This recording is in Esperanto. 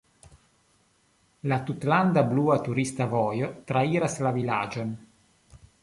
La "Tutlanda "blua" turista vojo" trairas la vilaĝon.